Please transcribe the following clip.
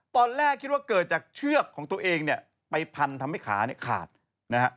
ตอนแรกคิดว่าเกิดจากเชือกของตัวเองเนี่ยไปพันทำให้ขาเนี่ยขาดนะฮะ